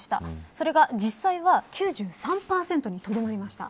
それが実際は９３％にとどまりました。